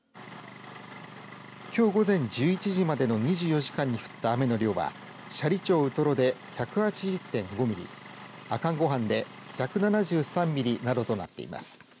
きょう午前１１時までの２４時間に降った雨の量は斜里町ウトロで１８０．５ミリ阿寒湖畔で１７３ミリなどとなっています。